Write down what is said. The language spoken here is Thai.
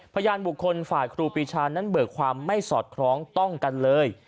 พยานบุคคลฝ่ายครูปีชานั้นเบิกความไม่สอดคล้องต้องกันเลย